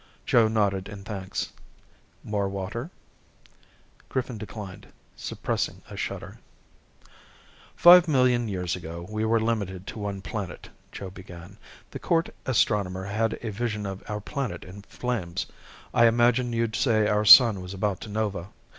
Joe nodded his thanks. "More water?" Griffin declined, suppressing a shudder. "Five million years ago we were limited to one planet," Joe began. "The court astronomer had a vision of our planet in flames. I imagine you'd say our sun was about to nova.